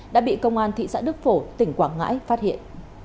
đã bị công an thị xã đức phổ tỉnh quảng ngãi phát hiện